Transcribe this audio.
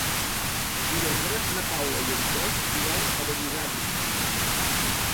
Divendres na Paula i en Cesc iran a Benigànim.